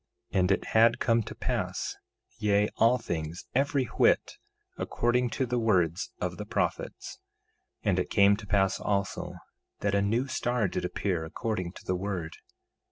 1:20 And it had come to pass, yea, all things, every whit, according to the words of the prophets. 1:21 And it came to pass also that a new star did appear, according to the word.